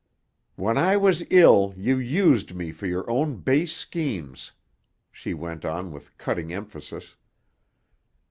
"When I was ill you used me for your own base schemes," she went on with cutting emphasis.